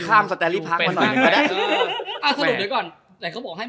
ข้ามสแตริพาร์คก็หน่อยก็ได้